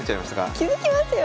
気付きますよ。